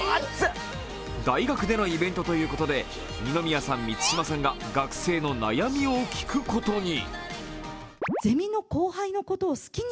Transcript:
大学でのイベントということで、二宮さん、満島さんが学生の悩みを聞くことに。